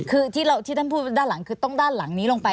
คือที่ท่านพูดด้านหลังคือต้องด้านหลังนี้ลงไป